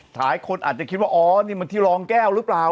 ถ่ายคนอาจจะโอ๊ะนี่ที่รองแก้วรึเปล่า